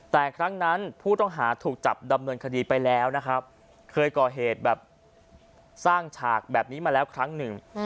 แต่ครั้งนั้นผู้ต้องหาถูกจับดำเนินคดีไปแล้วนะครับเคยก่อเหตุแบบสร้างฉากแบบนี้มาแล้วครั้งหนึ่ง